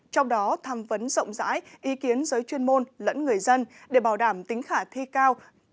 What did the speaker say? trong đó tham vấn rộng rãi ý kiến giới chuyên môn lẫn người dân để bảo đảm tính khả thi cao